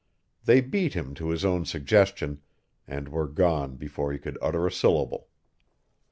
They beat him to his own suggestion, and were gone before he could utter a syllable.